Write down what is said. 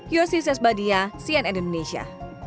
yosi sesbadia cnn indonesia